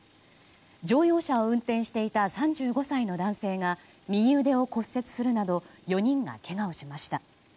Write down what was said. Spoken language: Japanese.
乗用車を運転していた３５歳の男性が右腕を骨折するなど４人がけがをしました。